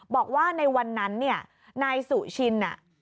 บอกว่าในวันนั้นเนี่ยนายสุชิน